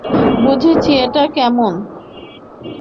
বুঝেছি, এটা কেমন?